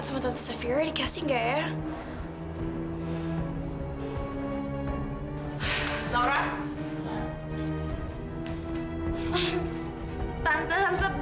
terus nuduh yang enggak